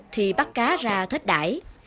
thì bắt cá ra thết đải